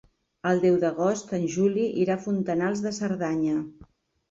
El deu d'agost en Juli irà a Fontanals de Cerdanya.